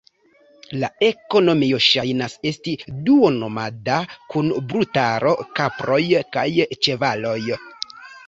La ekonomio ŝajnas esti duon-nomada, kun brutaro, kaproj kaj ĉevaloj.